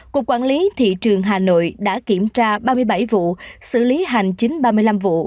cục quản lý thị trường hà nội đã kiểm tra ba mươi bảy vụ xử lý hành chính ba mươi năm vụ